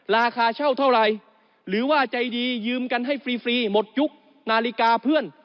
ราคาเช่าเท่าไหร่หรือว่าใจดียืมกันให้ฟรีหมดยุคนาฬิกาเพื่อน